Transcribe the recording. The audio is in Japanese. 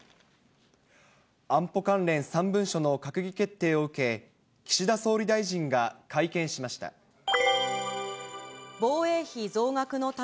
安保関連３文書の閣議決定を受け、岸田総理大臣が会見しました。